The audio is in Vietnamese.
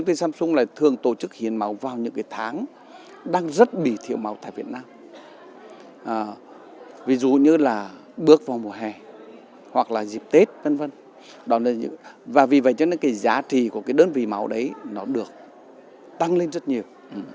thường tổ chức hiến máu vào những tháng đang rất bị thiếu máu tại việt nam ví dụ như bước vào mùa hè hoặc dịp tết và vì vậy giá trị của đơn vị máu được tăng lên rất nhiều